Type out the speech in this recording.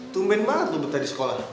tumben banget lo berdua di sekolah